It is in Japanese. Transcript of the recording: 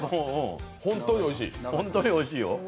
本当においしいよ。